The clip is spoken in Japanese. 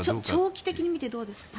長期的に見てどうですか？